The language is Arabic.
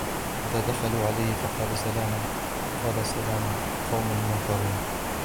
إذ دخلوا عليه فقالوا سلاما قال سلام قوم منكرون